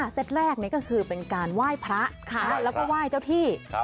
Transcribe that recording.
เต็ตแรกก็คือเป็นการไหว้พระแล้วก็ไหว้เจ้าที่